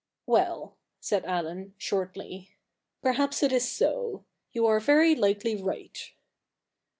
'Well,' .said Allen, shortly, 'perhaps it is so. You are ver) likely right.'